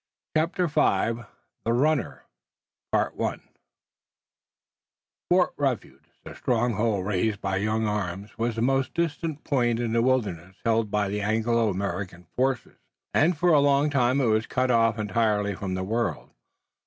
CHAPTER V THE RUNNER Fort Refuge, the stronghold raised by young arms, was the most distant point in the wilderness held by the Anglo American forces, and for a long time it was cut off entirely from the world.